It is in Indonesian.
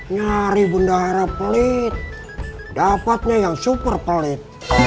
nyari bendahara pelit dapatnya yang super pelit